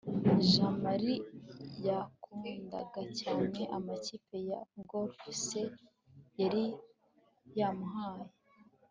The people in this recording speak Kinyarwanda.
jamali yakundaga cyane amakipi ya golf se yari yamuhaye